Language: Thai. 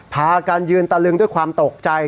พากันยืนตะลึงด้วยความตกใจ